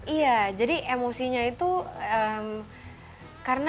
iya jadi emosinya itu karena